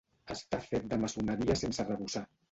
Està fet de maçoneria sense arrebossar.